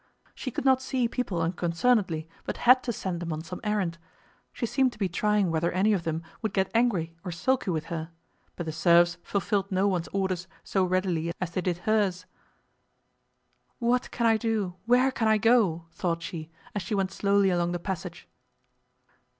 She could not see people unconcernedly, but had to send them on some errand. She seemed to be trying whether any of them would get angry or sulky with her; but the serfs fulfilled no one's orders so readily as they did hers. "What can I do, where can I go?" thought she, as she went slowly along the passage.